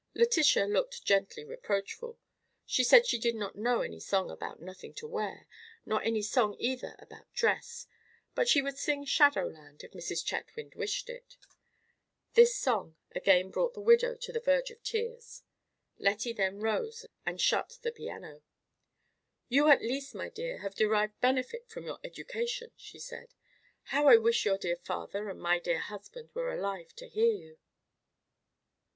Letitia looked gently reproachful. She said she did not know any song about nothing to wear, nor any song either about dress; but she would sing "Shadowland" if Mrs. Chetwynd wished it. This song again brought the widow to the verge of tears. Lettie then rose and shut the piano. "You at least, my dear, have derived benefit from your education," she said. "How I wish your dear father and my dear husband were alive to hear you."